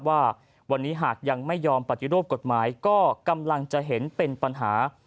ว่าวันนี้หากยังไม่ยอมปฏิรูปกฎหมายก็กำลังจะเห็นเป็นปัญหา